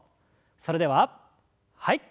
それでははい。